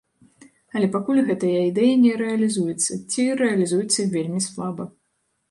Але пакуль гэтая ідэя не рэалізуецца, ці рэалізуецца вельмі слаба.